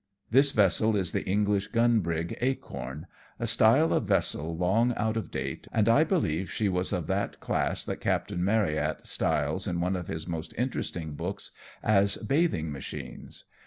This vessel is the English gun brig Acorn ; a style of vessel long out of date, and I believe she was of that class that Captain Marryatt styles in one of his most interesting books as bathing machines.